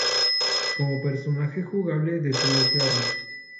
Como personaje jugable desbloqueable.